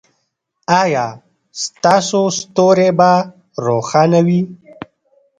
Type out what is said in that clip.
ایا ستاسو ستوری به روښانه وي؟